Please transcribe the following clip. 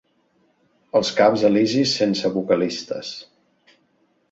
Els camps elisis sense vocalistes.